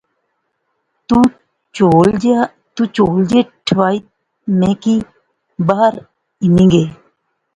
تو چول جئے ٹھوائی میں کی بہار ہنی گئے